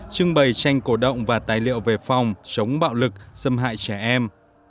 trưng bày tranh cổ động và tài liệu về phòng chống bạo lực xâm hại trẻ em